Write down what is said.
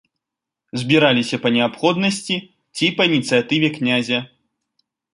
Збіралася па неабходнасці ці па ініцыятыве князя.